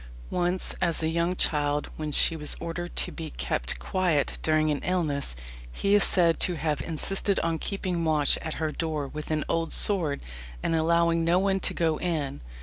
"Once as a young child, when she was ordered to be kept quiet during an illness, he is said to have insisted on keeping watch at her door with an old sword, and allowing no one to go in."